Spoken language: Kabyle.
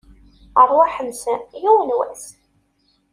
Rrwaḥ-nsen, yiwen n wass!